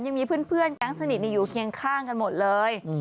ยังมีเพื่อนแก๊งสนิทอยู่เคียงข้างกันหมดเลย